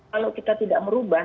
kalau kita tidak merubah